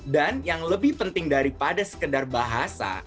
dan yang lebih penting daripada sekedar bahasa inggris